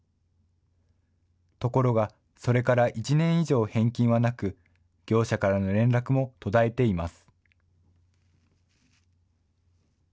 ところが、それから１年以上返金はなく、業者からの連絡も途絶えています。